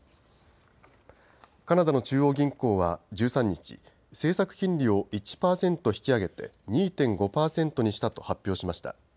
カナダの中央銀行は１３日、政策金利を１％引き上げて２．５％にしたと発表しました。